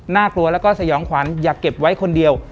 กลัวแล้วก็สยองขวัญอย่าเก็บไว้คนเดียว